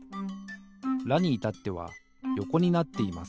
「ラ」にいたってはよこになっています。